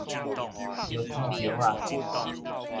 腰子石仔